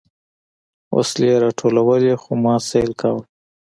وسلې يې راټولولې خو ما سيل کاوه.